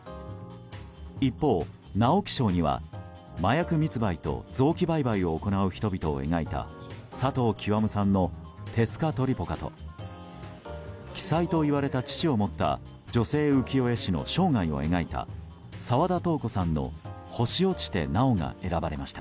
一方、直木賞には麻薬密売と臓器売買を行う人々を描いた佐藤究さんの「テスカトリポカ」と鬼才と言われた父を持った女性浮世絵師の生涯を描いた澤田瞳子さんの「星落ちて、なお」が選ばれました。